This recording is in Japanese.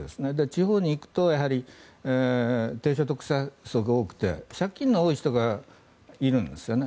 地方に行くと低所得者層が多くて借金の多い人がいるんですよね。